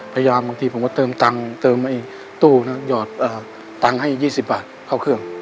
พยายามบางทีผมจะเติมเงินเครื่องเติมให้ตู้ยอดเงินให้๒๐บาทเข้าเครื่อง